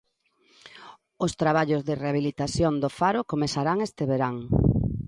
Os traballos de rehabilitación do faro comezarán este verán.